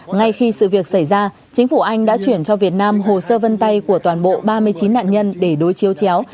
ngay khi sự việc xảy ra chính phủ anh đã chuyển cho việt nam hồ sơ vân tay của toàn bộ ba mươi chín nạn nhân để đối chiếu chéo